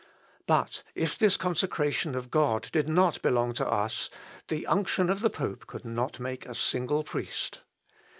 But if this consecration of God did not belong to us, the unction of the pope could not make a single priest.